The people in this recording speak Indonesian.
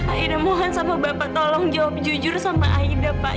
aida mohon sama bapak tolong jawab jujur sama aida pak